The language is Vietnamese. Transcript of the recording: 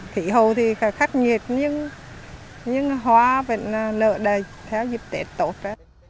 khi hầu thì khắc nhiệt nhưng hoa vẫn lợi đại theo dịp tết tốt